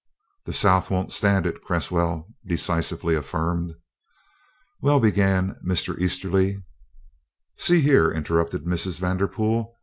"The South won't stand it," Cresswell decisively affirmed. "Well " began Mr. Easterly. "See here," interrupted Mrs. Vanderpool.